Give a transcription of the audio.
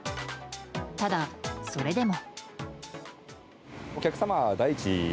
ただ、それでも。